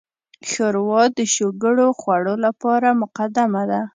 ښوروا د شګوړو خوړو لپاره مقدمه ده.